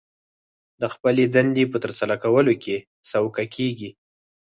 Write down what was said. د خپلې دندې په ترسره کولو کې سوکه کېږي